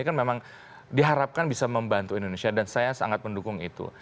kan memang diharapkan bisa membantu indonesia dan saya sangat mendukung itu